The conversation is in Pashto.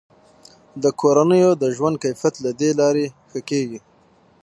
د کورنیو د ژوند کیفیت له دې لارې ښه کیږي.